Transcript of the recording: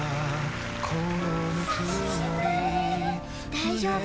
大丈夫。